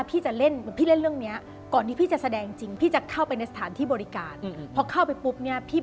พอบทมันพาไปเราก็แบบ